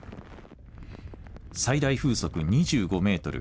最大風速２５メートル